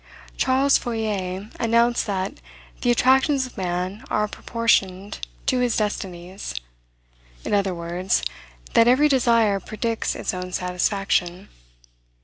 Charles Fourier announced that "the attractions of man are proportioned to his destinies;" in other words, that every desire predicts its own satisfaction.